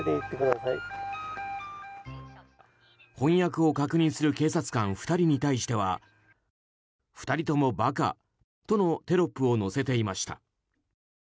翻訳を確認する警察官２人に対しては「２人ともバカ」とのテロップを載せていました。